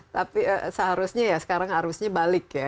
tapi seharusnya ya sekarang arusnya balik ya